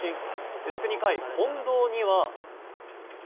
続く２回、近藤には。